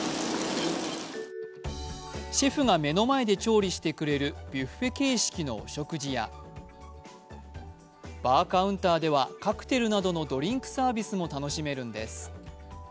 シェフが目の前で調理してくれるビュッフェ形式のお食事やバーカウンターではカクテルなどのドリンクサービスも楽しめるんです。